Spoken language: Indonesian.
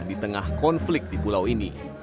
di tengah konflik di pulau ini